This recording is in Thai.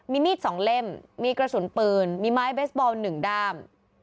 มีมีด๒เล่มมีกระสุนปืนมีไม้เบสบอล๑ด้าม